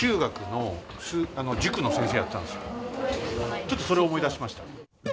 ちょっとそれを思い出しました。